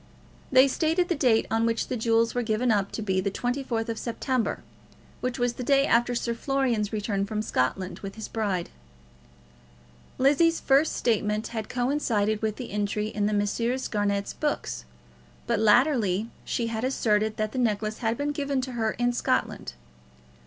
They stated the date on which the jewels were given up to be the 24th of September, which was the day after Sir Florian's return from Scotland with his bride. Lizzie's first statement had coincided with this entry in the Messrs. Garnett's books; but latterly she had asserted that the necklace had been given to her in Scotland.